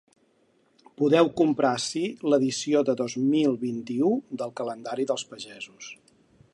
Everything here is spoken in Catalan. Podeu comprar ací l’edició de dos mil vint-i-u del ‘Calendari dels pagesos’